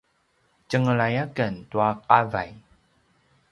tjengelay aken tua qavay